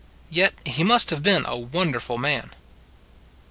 Yet he must have been a wonderful man.